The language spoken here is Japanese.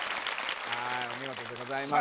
はいお見事でございます